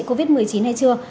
covid một mươi chín hay chưa